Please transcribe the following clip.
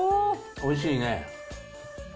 おいしい！